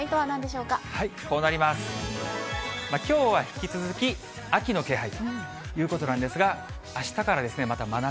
きょうは引き続き秋の気配ということなんですが、あしたからです